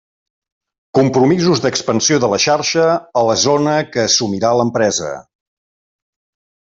Compromisos d'expansió de la xarxa a la zona que assumirà l'empresa.